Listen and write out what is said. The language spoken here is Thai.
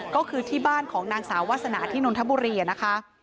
ก็คือที่บ้านของนางสาววาสนาที่นนทบุรีนะคะ